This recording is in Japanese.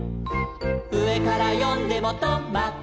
「うえからよんでもト・マ・ト」